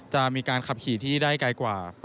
จะมีการขับขี่ที่ได้ไกลกว่า